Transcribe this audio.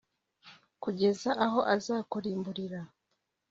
kugeza aho azakurimburira